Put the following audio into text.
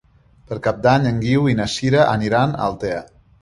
Per Cap d'Any en Guiu i na Sira aniran a Altea.